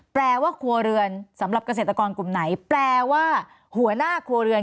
แปลว่าครัวเรือนสำหรับเกษตรกรกลุ่มไหนแปลว่าหัวหน้าครัวเรือน